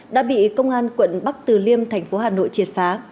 đã bị công an quận bắc từ liêm tp hà nội triệt phá